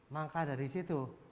maka dari situ